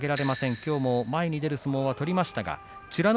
きょうも前に出る相撲を取りましたが美ノ